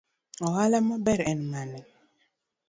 Ohala maber en mane.